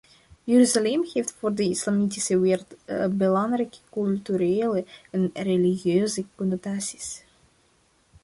Jeruzalem heeft voor de islamitische wereld belangrijke culturele en religieuze connotaties.